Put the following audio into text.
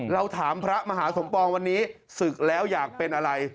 เราถามพระมหาสมปองวันนี้ศึกแล้วอยากเป็นอะไร